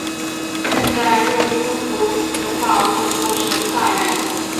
现在热舒夫城堡用作省法院。